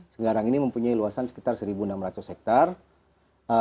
segarang ini mempunyai luasan sekitar seribu enam ratus hektare